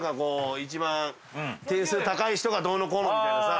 一番点数高い人がどうのこうのみたいなさ。